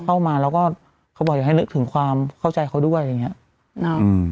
เข้ามาแล้วก็เขาบอกอยากให้นึกถึงความเข้าใจเขาด้วยอะไรอย่างเงี้ยอืม